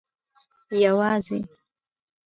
یوازي